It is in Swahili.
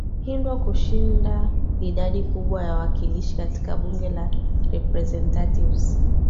hindwa kushinda idadi kubwa ya wakilishi katika bunge la representatives